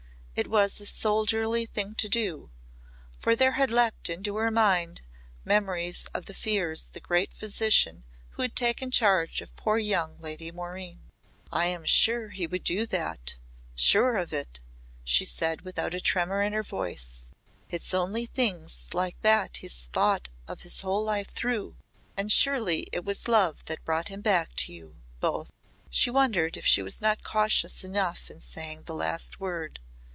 It was a soldierly thing to do, for there had leaped into her mind memories of the fears of the great physician who had taken charge of poor young Lady Maureen. "I am sure he would do that sure of it," she said without a tremor in her voice. "It's only things like that he's thought of his whole life through. And surely it was love that brought him back to you both." She wondered if she was not cautious enough in saying the last word.